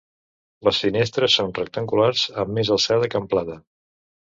Les finestres són rectangulars amb més alçada que amplada.